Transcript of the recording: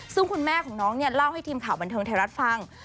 ซึ่งคุณแม่ของน้องเนี่ยเล่าให้ทีมข่าวบันเทิงไทยรัฐฟัง